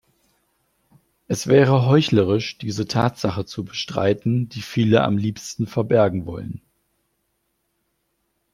Es wäre heuchlerisch, diese Tatsache zu bestreiten, die viele am liebsten verbergen wollen.